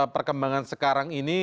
perkembangan sekarang ini